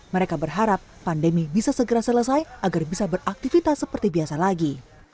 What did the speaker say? mereka berharap pandemi bisa segera selesai agar bisa beraktivitas seperti biasa lagi